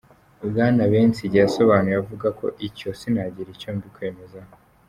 Bwana Benzinge yasobanuye avuga ko: ''Icyo sinagira icyo mbikwemezaho.